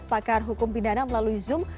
pakar hukum pidana melalui zoom